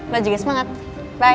gue juga semangat bye